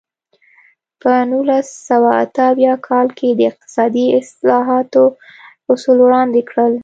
په نولس سوه اته اویا کال کې د اقتصادي اصلاحاتو اصول وړاندې کړل.